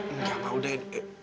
enggak ma udah edo